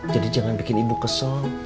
jadi jangan bikin ibu kesel